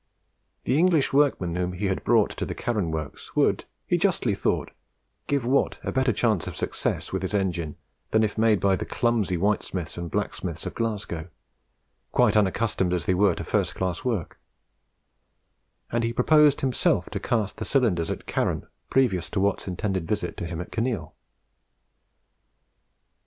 The English workmen whom he had brought; to the Carron works would, he justly thought, give Watt a better chance of success with his engine than if made by the clumsy whitesmiths and blacksmiths of Glasgow, quite unaccustomed as they were to first class work; and he proposed himself to cast the cylinders at Carron previous to Watt's intended visit to him at Kinneil.